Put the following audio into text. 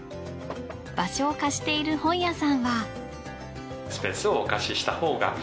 場所を貸している本屋さんは。